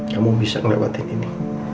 kamu bisa melewatin ini